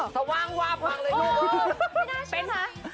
สว่างวาบวางเลยลูก